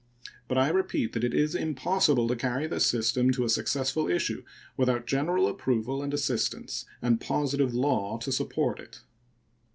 But I repeat that it is impossible to carry this system to a successful issue without general approval and assistance and positive law to support it.